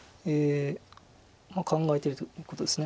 まあ考えてるということですね。